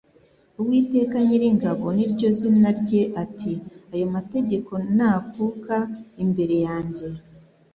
Uwiteka Nyiringabo ni ryo zina rye ati, 'Ayo mategeko nakuka imbere yanjye,